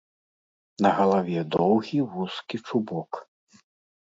На галаве доўгі вузкі чубок.